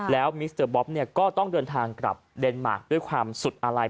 แล้วมิสเตอร์บ๊อบเนี่ยก็ต้องเดินทางกลับเดนมาร์คด้วยความสุดอาลัย